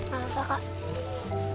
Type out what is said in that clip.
gak apa apa kak